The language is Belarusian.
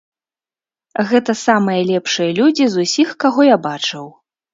Гэта самыя лепшыя людзі з усіх, каго я бачыў.